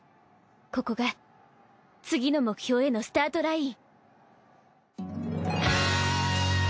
ここが次の目標へのスタートライン。